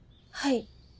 はい。